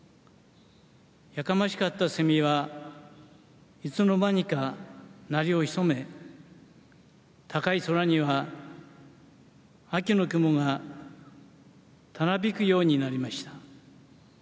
やかましかったセミはいつの間にか鳴りを潜め高い空には秋の雲がたなびくようになりました。